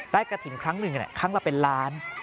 ได้กฐินครั้งหนึ่งเนี่ยครั้งละเป็นล้าน